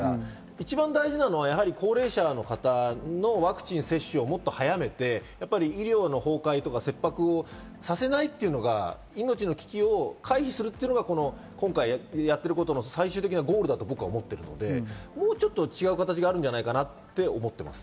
一番大事なのは高齢者の方のワクチン接種をもっと早めて、医療の崩壊やひっ迫をさせないということが命の危機を回避するということが今回やってることの最終的なゴールだと思うので、もうちょっと違う形があるんじゃないかなと思います。